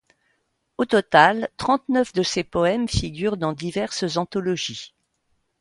Au total, trente-neuf de ses poèmes figurent figurent dans diverses anthologies.